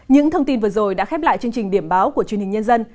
những thông tin vừa rồi đã khép lại chương trình điểm báo của truyền hình nhân dân